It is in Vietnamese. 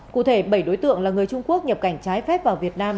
cụ thể bảy đối tượng là người trung quốc nhập cảnh trái phép vào việt nam